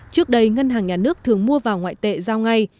trước đây ngân hàng nhà nước thường mua vào ngoại tệ giao ngay